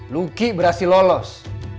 luki berhasil lolos